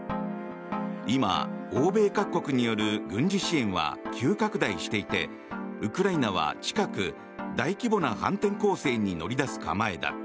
今、欧米各国による軍事支援は急拡大していてウクライナは近く、大規模な反転攻勢に乗り出す構えだ。